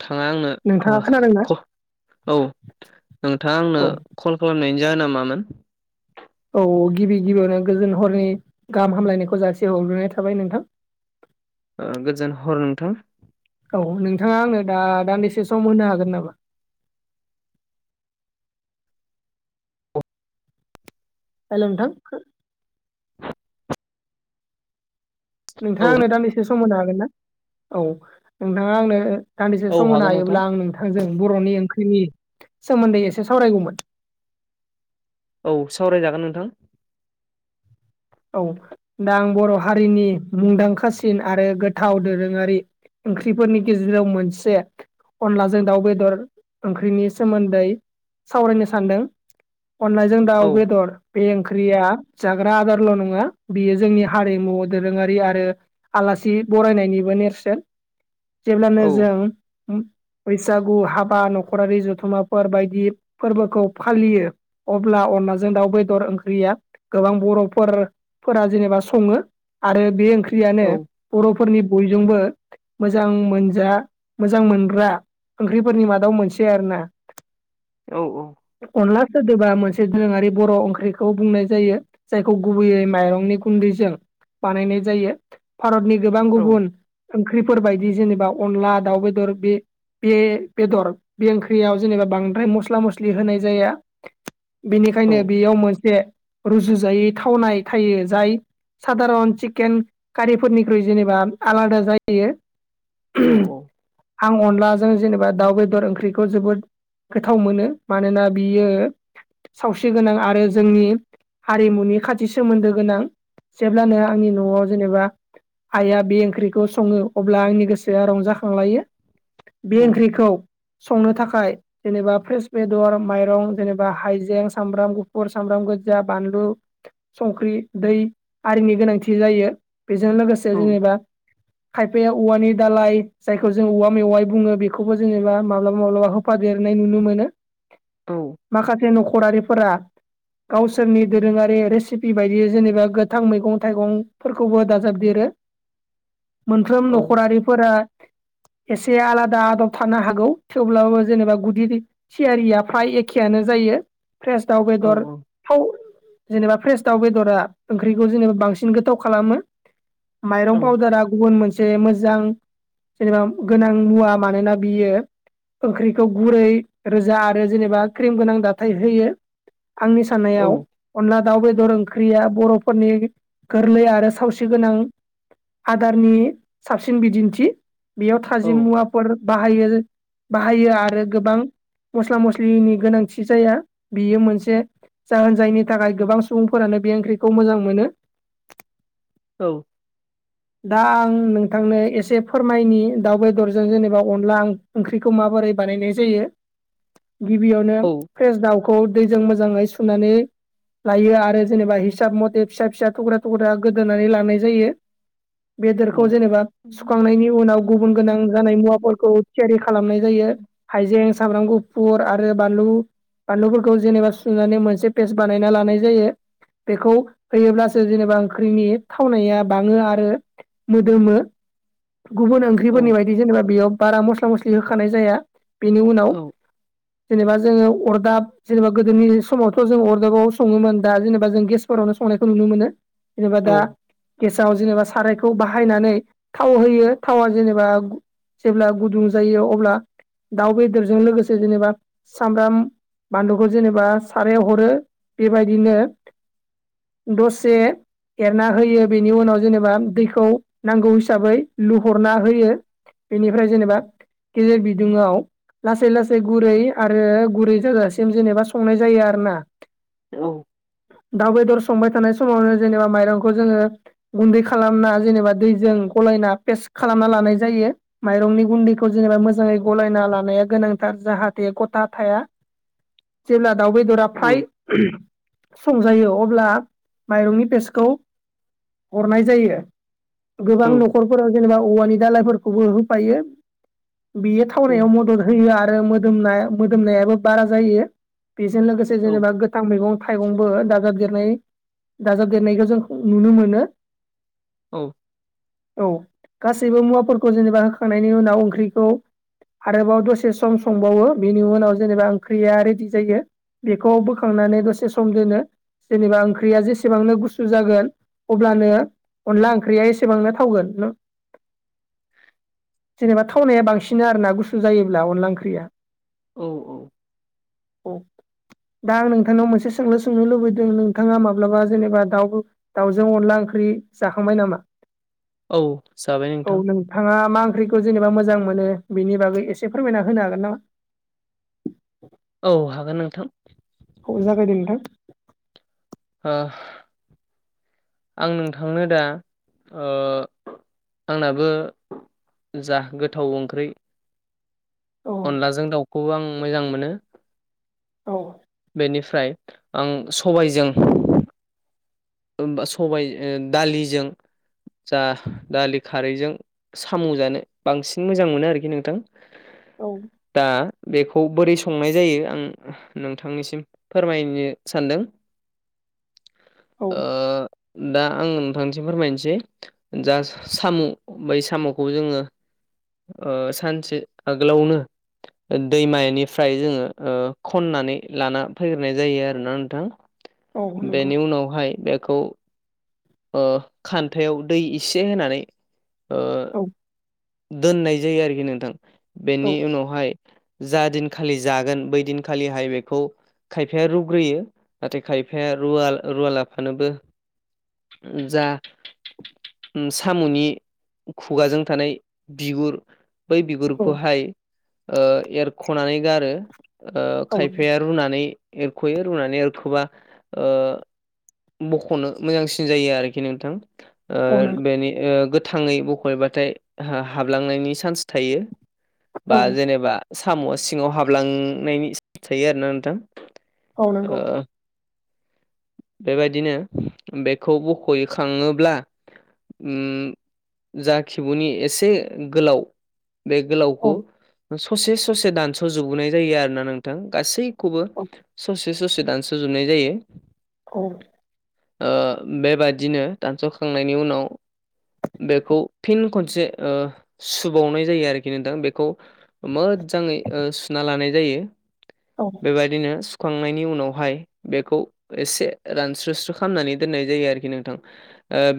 नोंथाङा नोंथाङा आंनो खोनादोंना औ नोंथाङा औ आंनो कल खालामनायनि जाहोना मामोन? औ गिबि गिबियावनो गोजोन हरनि गाहाम हामलायनायखौ जासिहरग्रोनाय थाबाय नोंथां। गोजोन हर नोंथां। औ नोंथाङा आंनो दा दान्दिसे सम होनो हागोन नामा? हेल नोंथां औ नोंथाङा आंनो दानदिसे सम होनो हागोन ना औ नोंथाङा आंनो दान्दिसे औ सम होनो हागोन नोंथां हायोब्ला आं नोंथांजों बर'नि ओंख्रिनि सोमोन्दै एसे सावरायगौमोन। औ सावरायजागोन नोंथां। औ दा आं बर' हारिनि मुंदांखासिन आरो गोथाव दोरोङारि ओंख्रिफोरनि गेजेराव मोनसे अनलाजों दाउ बेदर ओंख्रिनि सोमोन्दै सावरायनो सानदों। अनलाजों औ दाउ बेदर बे ओंख्रिया जाग्रा आदार ल' नङा बियो जोंनि हारिमु दोरोङारि आरो आलासि बरायनायनिबो नेरसोन जेब्लानो औ जों बैसागु हाबा न'खरारि जथुम्माफोर बायदि फोरबोखौ फालियो अब्ला अनलाजों दाउ बेदर ओंख्रिया गोबां बर' फोर फोरा जेनेबा सङो आरो बे औ ओंख्रियानो बर'फोरनि बयजोंबो मोजां मोनजा मोजां मोनग्रा ओंख्रिफोरनि मादाव मोनसे आरो ना औ औ। अनला सोदोबा मोनसे दोरोङारि बर' ओंख्रिखौ बुंनाय जायो। जायखौ गुबैयै माइरंनि गुन्दैजों बानायनाय जायो भारतनि गोबां औ गुबुन ओंख्रिफोरबायदि जेनेबा अनला दाउ बेदर बे बे बेदर बे ओंख्रियाव जेनेबा बांद्राय मस्ला मस्लि होनाय जाया बेनिखायनो बेयाव मोनसे रुजुजायै थावनाय थायो जाय सादारन चिकेन कारिफोरनिख्रुइ जेनेबा आलादा जायो। औ आं अनलाजों जेनेबा दाउ बेदर ओंख्रिखौ जोबोद गोथाव मोनो मानोना बियो सावस्रि गोनां आरो जोंनि हारिमुनि खाथि सोमोन्दो गोनां जेब्लानो आंनि न'आव जेनेबा आइया बे ओंख्रिखौ सङो अब्ला आंनि गोसोआ रंजाखांलायो। बे औ ओंख्रिखौ संनो थाखाय जेनेबा फ्रेस बेदर माइरं जेनेबा हाइजें सामब्राम गुफुर सामब्राम गोजा बानलु संख्रि दै आरिनि गोनांथि जायो बेजों लोगोसे औ जेनेबा खायफाया औवानि दालाय जायखौ जों औवा मेवाय बुङो बेखौबो जोङोबा माब्लाबा माब्लाबा हो होफा देरनाय नुनो मोनो। औ माखासे न'खरारिफोरा गावसि सोरनि दोरोङारि रेसिपि बायदि जेनेबा गोथां मैगं थाइगंफोरखौबो दाजाबदेरो। [inaudible] मोनफ्रोम औ नखरारिफोरा एसे आलादा आदब थानो हागौ थेवब्लाबो जेनेबा गुदिनि थियारिया फ्राय एखेआनो जायो फ्रेस दाउ बेदर थाव जेनेबा फ्रेस दाउ बेदरा ओंख्रिखौ जेनेबा बांसिन गोथाव खालामो। माइरं पाउदारा गुबुन मोनसे मोजां जेनेबा गोनां मुवा मानोना बियो ओंख्रिखौ गुरै रोजा आरो जेनेबा क्रिम गोनां दाथाय होयो आंनि साननायाव अनला दाउ बेदर ओंख्रिया बर'फोरनि गोरलै आरो सावस्रि गोनां। आदारनि साबसिन बिदिन्थि बेयाव थाजिम मुवाफोर बाहायो। बाहायो आरो गोबां मस्ला-मस्लिनि गोनांथि जाया बियो मोनसे जाहोन जायनि थाखाय गोबां सुबुंफोरानो बे ओंख्रिखौ मोजां मोनो। औ दा आं नोंथांनो एसे फोरमायनि दाउ बेदरजों जेनेबा अनला आं ओंख्रिखौ माबोरै बानायनाय जायो [inaudible] गिबियावनो फ्रेस दाउखौ दैजों मोजाङै सुनानै लायो आरो जेनेबा हिसाब मथे फिसा-फिसा थुख्रा-थुग्रा गोदोनानै लानाय जायो। बेदरखौ जेनेबा सुखांनायनि उनाव गुबुन गोनां जानाय मुवाफोरखौ थियारि खालामनाय जायो। हाइजें सामब्राम गुफुर आरो बानलु बानलुफोरखौ जेनेबा सुनानै मोन मोनसे पेज बानायना लानाय जायो। बेखौ होयोब्लासो जेनेबा ओंख्रिनि थावनाया बाङो आरो मोदोमो गुबुन ओं ख्रिफोरनि बायदि जेनेबा बेयाव बारा मस्ला-मस्लि होखानाय जाया बेनि उनाव जेनेबा जोङो अरदाब जेनेबा गोदोनि समाव जों अरदाबाव सङोमोन दा जेनेबा जों गेसफोरावनो संनायखौ नुनो मोनो जेनेबा दा औ गेसाव जेनेबा सारायखौ बाहायनानै थाव होयो थावा जेनेबा जेब्ला गुदुं जायो अब्ला दाउ बेदरजों लोगोसे जेनेबा सामब्राम बानलुखौ जेनेबा सारायाव हरो बेबायदिनो दसे एरना होयो बेनि उनाव जेनेबा दैखौ नांगौ हिसाबै लुहरना होयो। बेनिफ्राय जेनेबा गेेजेर बिदुंआव लासै-लासै गुरै आरो गुरै जागासिम जेनेबा संनाय जायो आरोना औ दाउ बेदर संबाय थानाय समावनो जेनेबा माइरंखौ जोङो गुन्दै खालामना जेनेबा दैजों गलायना पेस्ट खालामना लानाय जायो। माइरंनि गुन्दैखौ जेनेबा मोजाङै गलायना लानाया गोनांथार जाहाथे गथा थाया। जिल्ला दाउ बेदरा फ्राय संजायो अब्ला माइरंनि पेस्टखौ हरनाय जायो। गोबां न'खरफोराव जेनेबा औवानि दाालायफोरखौबो होफायो बियो थावनायाव मदद होयो आरो मोदोमनाय मोदोमनायाबो बारा जायो बेजों लोगोसे जेनेबा गोथां मैगं-थाइगंबो दाजाबदेरनाय दाजाबदेरनायखौ जों नुनो मोनो। औ। औ गासैबो मुवाफोरखौ जेनेबा होखांनायनि उनाव ओंख्रिखौ आरोबाव दसे सम संबावो बेनि उनाव जेनेबा ओंख्रिया रेडि जायो। बेखौ बोखांनानै दसे सम दोनो। जेनेबा ओंख्रिया जेसेबांनो गुसु जागोन अब्लानो अनला ओंख्रिया एसेबांनो थावगोन न। जेनेबा थावनाया बांसिन आरो ना गुसु जायोब्ला अनला ओंख्रिया। औ औ। दा आं नोंथांनाव मोनसे सोंलु सोंनो लुबैदों नोंथाङा माब्लाबा जेनेबा दाउ दाउजों अनला ओंख्रि जाखांबाय नामा? औ जाबाय नोंथां। थाङा मा ओंख्रिखौ जेनेबा मोजां मोनो बिनि बागै एसे फोरमायना होनो हागोन नामा औ हागोन नोंथां अ जागायदो नोंथां आं नोंथांनो दा आंनाबो जा गोथाव ओंख्रि औ अनलाजों दाउखौबो आं मोजां मोनो। औ बेनिफ्राय आं सबायजों सबाय दालिजों जा दालि खारैजों साम' जानो बांसिन मोजां मोनो आरोखि नोंथां औ दा बेखौ बोरै संनाय जायो आं नोंथांनिसिम फोरमायनो सानदों औ ओ दा आं नोंथांनिसिम फोरमायनोसै जा साम' बै साम'खौ जोङो सानसे आगोलावनो दैमानिफ्राय जोङो खननानै लाना फैग्रोनाय जायो आरोोना औ नोंथां। नंगौ बेनियाव नावहाय बेखौ खान्थायाव दै एसे होनानै औ दोननाय जायो आरोखि नोंथां औ बेनि उनावहाय जा दिनखालि जागोन बै दिनखालिहाय बेखौ खायफाया रुग्रोयो नाथाय खायफाया रुव रुवाला फानोबो जा साम'नि खुगाजों थानाय बिगुर बै बिगुरखौहाय एरख'नानै गारो औ खायफाया रुनानै एरख'यो रुनानै एरखोबा बख'नो मोजांसिन जायो आरोखि नोंथां औ नंगौ बेनि थाङै बख'बाथाय हाबलांनायनि चान्स थायो बा जेनेबा साम' सिङाव हाबलांनायनि थायो आरोना नोंथां। औ नंगौ ओ बेबायदिनो बेखौ बख'यखाङोब्ला ज खिबुनि एसे गोलाव बे औ गोलावखौ ससे ससे दान्स' जोबोनाय जायो आरोोना नोंथां गासै खौबो औ ससे ससे दानसोजुनाय जायो। औ। बेबादिनो दानस'खांनायनि उनाव बेखौ फिन खनसे सुबावनाय जायो आरोखि नोंथां बेखौ मोजाङै सुना लानाय जायो। औ। बेबायदिनो सुखांनायनि उनावहाय बेखौ एसे रानस्रो स्रो खालामनानै दोननाय जायो आरोखि नोंथां।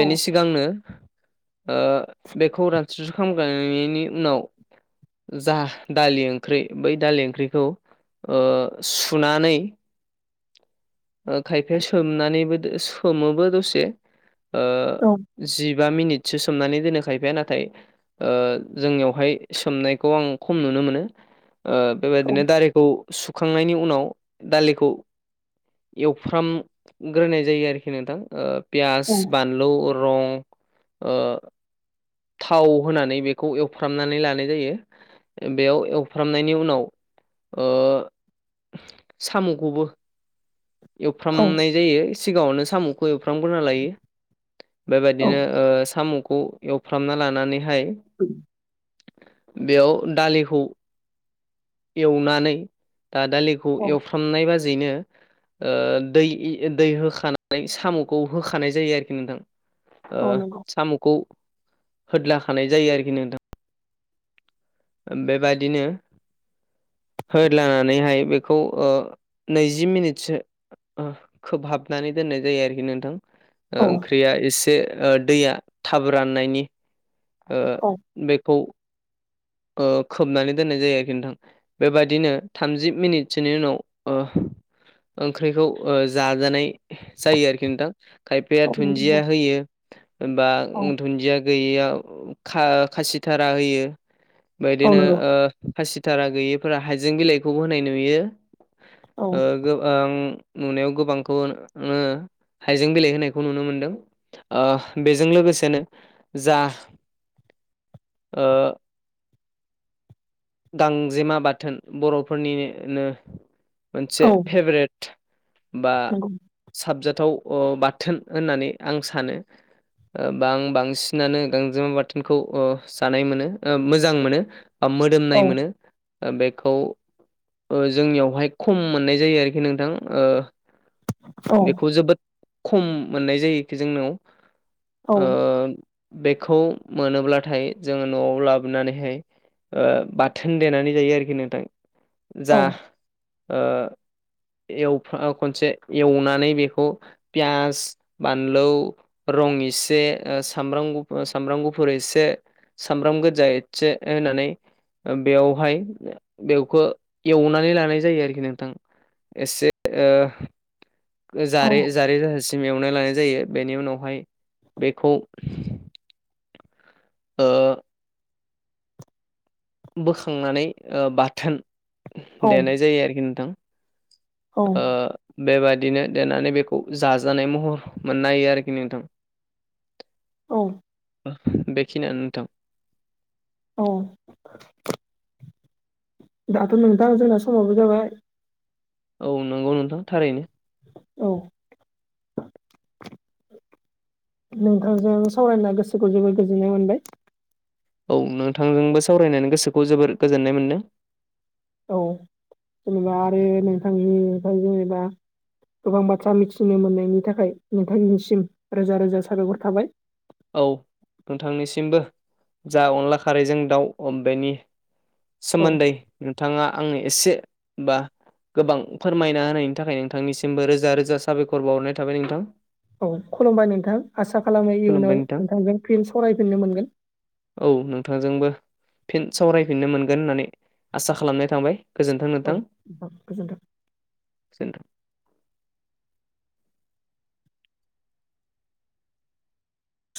बेनि सिगांनो बेखौ रानस्रो स्रो खालामग्रोनायनि उनाव जा दालि ओंख्रि बै दालि ओंख्रिखौ ओ सुनानै खायफाया सोमनानैबो दो सोमोबो दसे ओ जिबा मिनिटसो सोमनानै दोनो खायफाया नाथाय ओ जोंनियावहाय सोमनायखौ आं खम नुनो मोनो। ओ बेबायदिनो औ दालिखौ सुखांनायनि उनाव दालिखौ एवफ्रामग्रोनाय जायो आरोखि नोंथां ओ पियास बान लौ रं ओ थाव होनानै बेखौ एवफ्रामनानै लानाय जायो। बेयाव एवफ्रामनायनि उनाव ओ साम'खौबो औ एवफ्रामनाय जायो सिगाङावनो साम' बो एवफ्रामग्रोना लायो औ बेबायदिनो साम'खौ एवफ्रामना लानानैहाय। [inaudible] बेयाव दालिखौ एवनानै दा दालिखौ एवफ्रामनाय बाजैैनो ओ दै इ दै होखानाय साम'खौ होखानाय जायो आरोखि नोंथां। औ नंगौ साम'खौ होदलाखानाय जायो आरोखि नोंथां। बेबादिनो होदलानानैहाय बेखौ नैजि मिनिटसो ओ खोब हाबनानै दोननाय जायो आरोखि नोंथां। औ ओंख्रिया एसे ओ दैया थाब राननायनि। ओ औ बेखौ खोबनानै दोननाय जायो आरोखि नोंथां। बेबायदिनो थामजि मिनिटसोनि उनाव ओंख्रिखौ ओ जाजानाय जायो आरोखि नोंथां। खायफाया औ नंगौ दुन्दिया होयो बा औ दुन्दिया गैयैयाव खा-खासिथारा होयो औ बेदिनो नंगौ ओ खासि टारा गैयिफोरा हाइजें बिलाइखौबो होनाय नुयो। औ ओ गों आं नुनायाव गोबांखौ नो हाइजें बिलाइ होनायखौ नुनो मोनदों। आ बेजों लोगोसेनो जा ओ गांजेमा बाथोन बर'फोरनिनो मोनसे औ फेभरेट बा नंगौ साबजाथाव आ बाथोन होननानै आं सानो। ओ बां-बांसिनानो गांजेमा बाथोनखौ जानाय मोनो मोजां मोनो। आ औ मोदोमनाय मोनो बेखौ जोंनियावहाय खम मोननाय जायो आरोखि नोंथां। ओ औ बेखौ जोबोद खम मोननाय जायोखि जोंनाव। औ ओ बेखौ मोनोब्लाथाय जोङो न'आव लाबोनानैहाय ओ बा थोन देनानै जायो आरोखि नोंथां जा औ ओ एवफा खनसे एवनानै बेखौ पियास बानलु रं एसे ओ सामब्राम गुफु सामब्राम गुफुर एसे सामब्राम गोजा एसे होनानै बेवहाय बेवखो एवनानै लानाय जायो आरोखि नोंथां। एसे ओ औ जारे जारे जाहासिम एवनाय लानाय जायो बेनि उनावहाय बेखौ ओ बोखांनानै ओ बाथोन औ देनाय जायो आरोखि नोंथां। ओ बेबादिनो देनानै बेखौ जाजानाय महर मोननाय हयो आरोखि नोंथां। [inaudible] औ। बेखिनियानो नोंथां। औ दाथ' नोंथां जोंना समावबो जाबाय। औ नंगौ नोंथां थारैनो। औ। नोंथांजों सावरायना गोसोखौ जोबोर गोजोननाय मोनबाय। औ नोंथांजोंबो सावरायनानै गोसोखौ जोबोर गोजोननाय मोनदों। औ जेनेबा आरो नोंथांनि फ्राय जेनेबा गोबां बाथ्रा मिथिनो मोननायनि थाखाय नोंथांनिसिम रोजा रोजा साबायखर थाबाय। औ नोंथांनिसिमबो जा अनला खारैजों दाउ ओ बेनि औ सोमोन्दै नोंथाङा आंनो एसे बा गोबां फोरमायना होनायनि थाखाय नोंथांनिसिमबो रोजा रोजा साबायखर बावहरनाय थाबाय नोंथां। औ खुलुमबाय नोंथां आसा खालामो खुलुमबाय इयुनाव नोंथां नोंथांजों फिन सरायफिननो मोनगोन। औ नोंथांजोंबो फिन सावरायफिननो मोनगोन होननानै आसा खालामनाय थाबाय। गोजोन्थों औ नोंथां गोजोन्थों गोजोनथों।